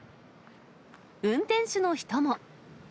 運転手の人も。